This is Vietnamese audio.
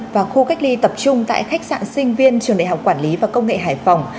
và khu cách ly tập trung tại khách sạn sinh viên trường đại học quản lý và công nghệ hải phòng